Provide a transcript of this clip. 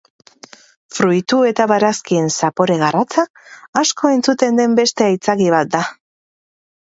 Fruitu eta barazkien zapore garratza, asko entzuten den beste aitzaki bat da.